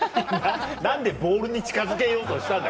何でボールに近づけようとしたんだ？